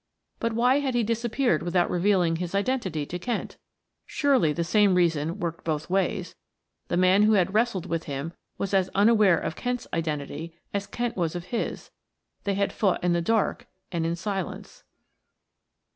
But why had he disappeared without revealing his identity to Kent? Surely the same reason worked both ways the man who had wrestled with him was as unaware of Kent's identity as Kent was of his they had fought in the dark and in silence.